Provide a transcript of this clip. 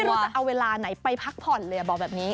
ไม่รู้จะเอาเวลาไหนไปพักผ่อนเลยบอกแบบนี้